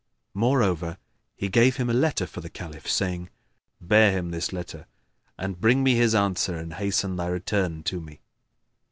Moreover, he gave him a letter for the Caliph, saying, "Bear him this letter and bring me his answer and hasten thy return to me."